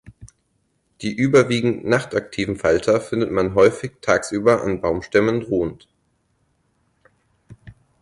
Die überwiegend nachtaktiven Falter findet man häufig tagsüber an Baumstämmen ruhend.